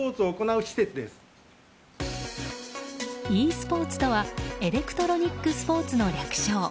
ｅスポーツとはエレクトロニック・スポーツの略称。